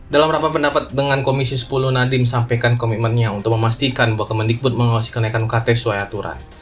dalam rapat pendapat dengan komisi sepuluh nadiem sampaikan komitmennya untuk memastikan bahwa kemendikbud mengawasi kenaikan ukt sesuai aturan